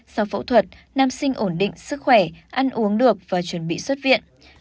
sau phẫu thuật nam sinh ổn định sức khỏe ăn uống được và chuẩn bị xuất viện